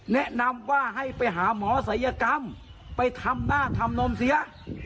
แนะนำว่าให้ไปหาหมอศัยกรรมไปทำหน้าทำนมเสีย